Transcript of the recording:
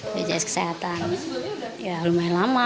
bpjs kesehatan ya lumayan lama